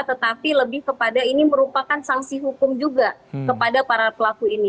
tetapi lebih kepada ini merupakan sanksi hukum juga kepada para pelaku ini